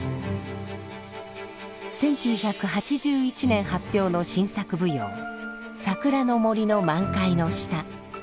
１９８１年発表の新作舞踊「桜の森の満開の下」。